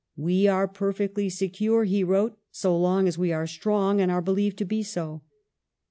" We are perfectly secure," he wi'ote, " so long as we are strong and are believed to be so."